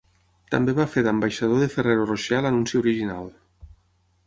També va fer d'ambaixador de Ferrero Rocher a l'anunci original.